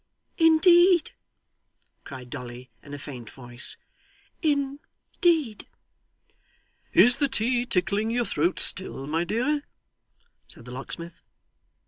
'Indeed!' cried Dolly in a faint voice. 'In deed!' 'Is the tea tickling your throat still, my dear?' said the locksmith.